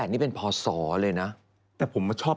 ๒๔๙๘นี่เป็นพอศสเลยนะแต่ผมไม่ชอบ๘๘